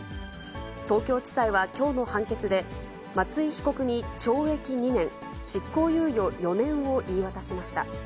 東京地裁はきょうの判決で、松井被告に懲役２年執行猶予４年を言い渡しました。